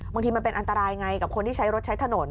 บางทีมันเป็นอันตรายไงกับคนที่ใช้รถใช้ถนน